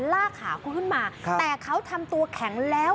ลากขาคุณขึ้นมาแต่เขาทำตัวแข็งแล้ว